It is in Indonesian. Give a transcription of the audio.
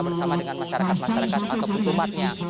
bersama dengan masyarakat masyarakat ataupun umatnya